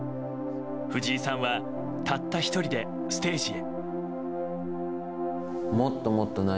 藤井さんはたった１人でステージへ。